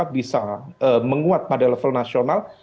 bisa menguat pada level nasional